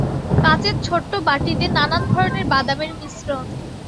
কাচের ছোট্ট বাটিতে নানান ধরনের বাদামের মিশ্রণ।